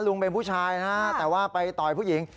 เป็นผู้ชายนะฮะแต่ว่าไปต่อยผู้หญิง